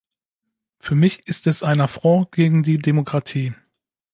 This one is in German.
Für mich ist es ein Affront gegen die Demokratie.